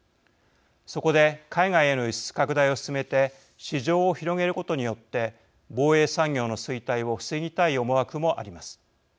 そこで海外への輸出拡大を進めて市場を広げることによって防衛産業の衰退を防ぎたい思惑もあります。